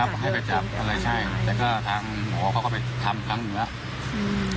เขาให้ไปจับอะไรใช่แต่ก็ทางหมอเขาก็ไปทำครั้งหนึ่งแล้วอืม